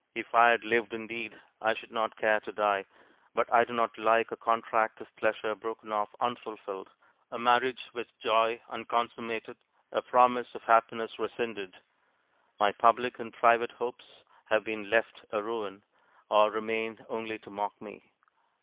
If I had lived indeed, I should not care to die. But I do not like a contract of pleasure broken off unfulfilled, a marriage with joy unconsummated, a promise of happiness rescinded. My public and private hopes have been left a ruin, or remain only to mock me.